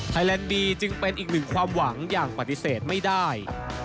แลนด์บีจึงเป็นอีกหนึ่งความหวังอย่างปฏิเสธไม่ได้